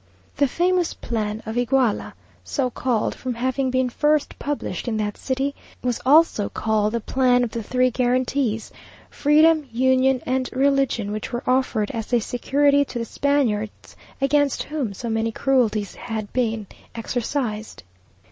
The famous plan of Iguala, (so called from having been first published in that city,) was also called the plan of the three guarantees; freedom, union, and religion, which were offered as a security to the Spaniards, against whom so many cruelties had been exercised.